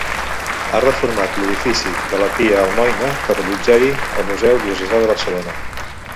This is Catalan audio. Ha reformat l'edifici de la Pia Almoina per allotjar-hi el Museu Diocesà de Barcelona.